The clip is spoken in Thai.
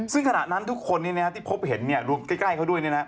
ซึ่งขณะนั้นทุกคนที่พบเห็นรวมใกล้เขาด้วย